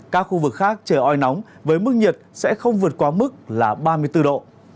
các khu vực khác trời oi nóng với mức nhiệt sẽ không vượt qua mức là ba mươi bốn độ